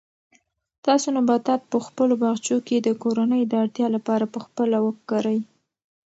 تاسو نباتات په خپلو باغچو کې د کورنۍ د اړتیا لپاره په خپله وکرئ.